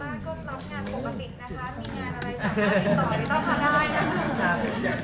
เรื่องงานในวงการก็คือดีต้าก็รับงานปกตินะคะมีงานอะไรสามารถติดต่อดีต้ามาได้นะคะ